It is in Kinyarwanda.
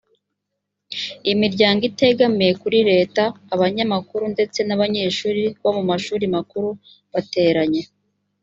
imiryango itegamiye kuri leta abanyamakuru ndetse n abanyeshuri bo mu mashuri makuru bateranye